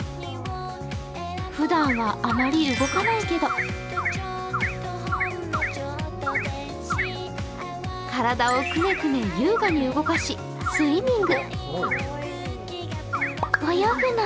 ふだんはあまり動かないけど体をくねくね優雅に動かしスイミング。